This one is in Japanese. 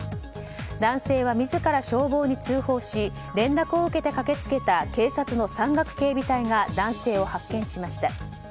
男性は自ら消防に通報し連絡を受けて駆け付けた警察の山岳警備隊が男性を発見しました。